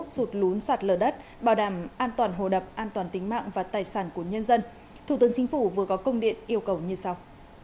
sụt lún sạt lở đất bảo đảm an toàn hồ đập an toàn tính mạng và tài sản của nhân dân thủ tướng chính phủ vừa có công điện yêu cầu như sau